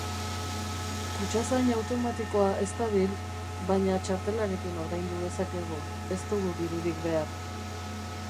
Kutxazain automatikoa ez dabil, baina txartelarekin ordaindu dezakegu, ez dugu dirurik behar